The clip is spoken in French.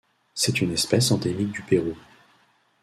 C'est une espèce endémique du Pérou.